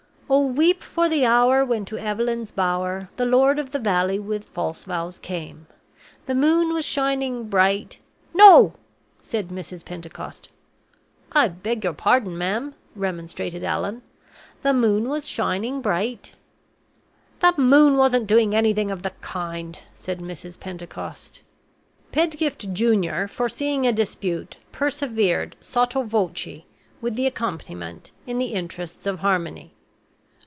'Oh, weep for the hour when to Eveleen's Bower, the lord of the valley with false vows came. The moon was shining bright '" "No!" said Mrs. Pentecost. "I beg your pardon, ma'am," remonstrated Allan. "'The moon was shining bright '" "The moon wasn't doing anything of the kind," said Mrs. Pentecost. Pedgift Junior, foreseeing a dispute, persevered sotto voce with the accompaniment, in the interests of harmony.